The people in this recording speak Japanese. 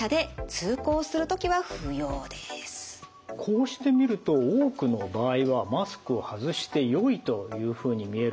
こうして見ると多くの場合はマスクを外してよいというふうに見えるんですが。